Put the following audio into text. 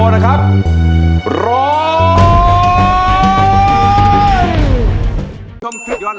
ผ่านยกที่สองไปได้นะครับคุณโอ